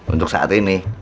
untuk saat ini